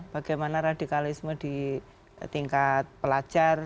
bagaimana radikalisme di tingkat pelajar